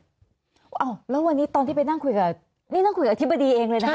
อ้าวแล้ววันนี้ตอนที่ไปนั่งคุยกับนี่นั่งคุยกับอธิบดีเองเลยนะคะ